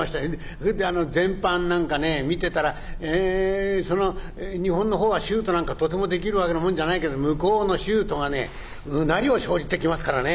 それで前半なんかねぇ見てたら日本の方はシュートなんかとてもできるわけのもんじゃないけど向こうのシュートがねぇうなりを生じて来ますからね。